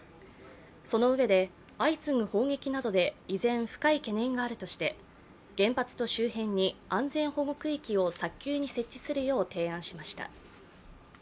そのうえで相次ぐ砲撃などで依然、深い懸念があるとし、原発と周辺に安全保護区域を早急に設置するよう提案しました。